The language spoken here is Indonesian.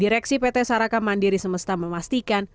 direksi pt saraka mandiri semesta memastikan